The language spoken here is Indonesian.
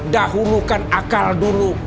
dahulukan akal dulu